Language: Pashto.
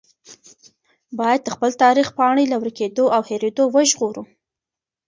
باید د خپل تاریخ پاڼې له ورکېدو او هېرېدو وژغورو.